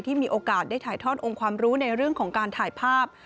มีโอกาสได้ถ่ายทอดองค์ความรู้ในเรื่องของการถ่ายภาพ